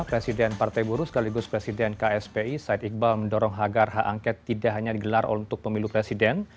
presiden partai buruh sekaligus presiden kspi said iqbal mendorong agar hak angket tidak hanya digelar untuk pemilu presiden